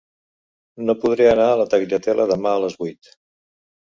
No podré anar a la Tagliatella demà a les vuit.